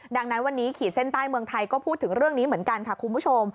ดังนั้นวันนี้ขีดเส้นใต้เมืองไทยก็พูดถึงเรื่องนี้เหมือนกันค่ะคุณผู้ชม